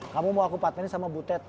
kamu mau aku padmin sama butet